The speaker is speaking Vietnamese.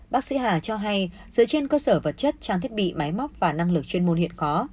bác sĩ hà cho hay dựa trên cơ sở vật chất trang thiết bị máy móc và năng lực chuyên môn hiện có